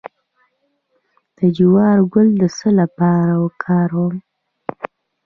د جوار ګل د څه لپاره وکاروم؟